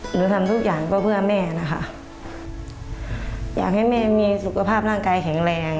หนูทำทุกอย่างก็เพื่อแม่นะคะอยากให้แม่มีสุขภาพร่างกายแข็งแรง